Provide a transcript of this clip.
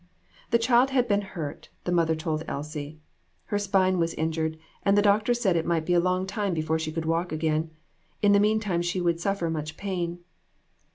The child had been hurt, the mother told Elsie. Her spine was injured, and the doctor said it might be a long time before she could walk again ; in the meantime she would suffer much pain.